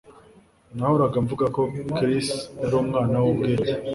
Nahoraga mvuga ko Chris yari umwana wubwenge